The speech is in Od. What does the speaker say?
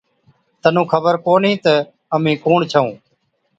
تنُون خبر ڪونهِي تہ اَمهِين ڪُوڻ ڇَئُون؟